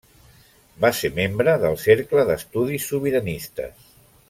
Va ser membre del Cercle d'Estudis Sobiranistes.